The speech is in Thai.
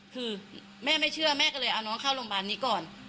คือแม่ไม่เชื่อแม่ก็เลยเอาน้องเข้าโรงพยาบาลนี้ก่อน